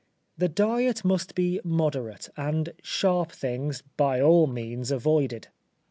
The diet must be moderate, and sharp things by all means avoided.